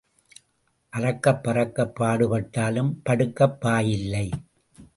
அறக்கப் பறக்கப் பாடுபட்டாலும் படுக்கப் பாய் இல்லை.